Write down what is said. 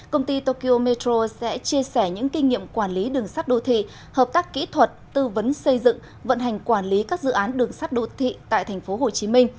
công ty tokyo metro sẽ chia sẻ những kinh nghiệm quản lý đường sắt đô thị hợp tác kỹ thuật tư vấn xây dựng vận hành quản lý các dự án đường sắt đô thị tại tp hcm